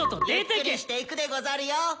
ゆっくりしていくでござるよ。